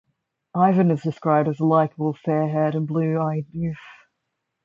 Ivan is described as a likeable fair-haired and blue-eyed youth.